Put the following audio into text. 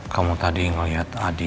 kamu tadi ngeliat adi